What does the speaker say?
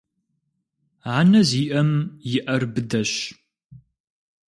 Анэ зиIэм и Iэр быдэщ.